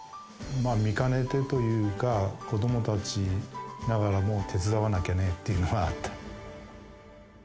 見かねてというか、子どもたちながらも、手伝わなきゃねっていうのはあった。